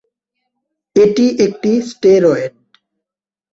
এটি একটি স্টেরয়েড।